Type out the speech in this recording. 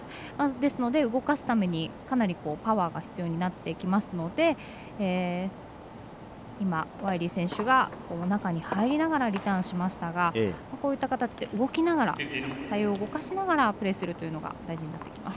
ですので、動かすためにかなりパワーが必要になってきますので今、ワイリー選手が中に入りながらリターンしましたがこういった形で動きながらタイヤを動かしながらプレーするのが大事となってきます。